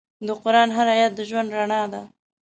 د قرآن هر آیت د ژوند رڼا ده.